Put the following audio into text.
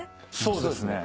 そうですね。